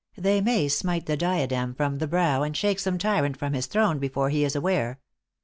They may smite the diadem from the brow, and shake some tyrant from his throne before he is aware.